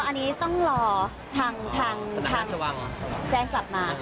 อันนี้ต้องรอทางแจ้งกลับมา